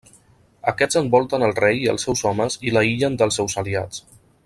Aquests envolten el rei i els seus homes i l'aïllen dels seus aliats.